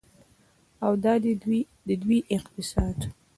او دا دی د دوی اقتصاد.